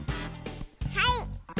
はい。